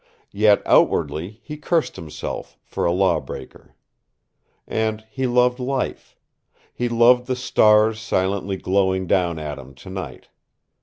Yet outwardly he cursed himself for a lawbreaker. And he loved life. He loved the stars silently glowing down at him tonight.